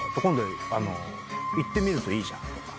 今度行ってみるといいじゃん」